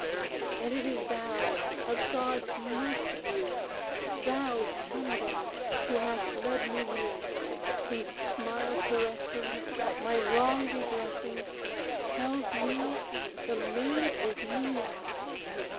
And it is thou — of gods most dear !— Thou, sun god ! who hast led me here : Whose smile caressing. My wrong redressing, Tells me the Maid is near